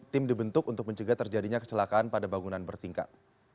tim dibentuk untuk mencegah terjadinya kecelakaan pada bangunan bertingkat